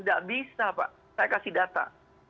tidak bisa pak saya kasih data